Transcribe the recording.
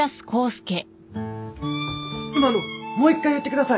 今のもう一回言ってください！